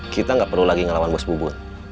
kita nggak perlu lagi ngelawan bos bu bun